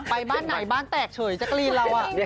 ไปบ้านไหนบ้านแตกเฉยจะกรีนเราอ่ะ